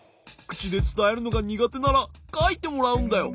くちでつたえるのがにがてならかいてもらうんだよ。